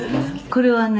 「これはね